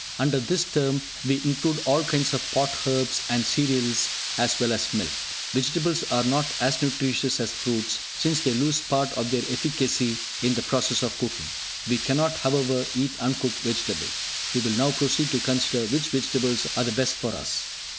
Under this term we include all kinds of pot herbs and cereals, as well as milk. Vegetables are not as nutritious as fruits, since they lose part of their efficacy in the process of cooking. We cannot, however, eat uncooked vegetables. We will now proceed to consider which vegetables are the best for us.